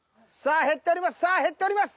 さあ減っております